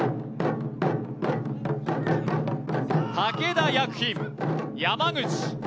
武田薬品・山口。